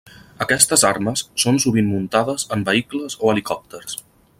Aquestes armes són sovint muntades en vehicles o helicòpters.